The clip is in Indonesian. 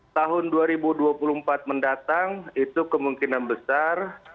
tahun dua ribu dua puluh empat mendatang itu kemungkinan besar